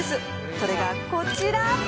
それがこちら。